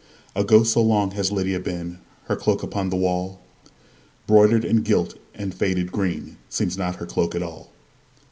A ghost so long has Lydia been, Her cloak upon the wall, Broidered, and gilt, and faded green, Seems not her cloak at all.